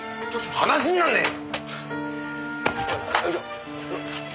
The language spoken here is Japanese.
話になんねえよ！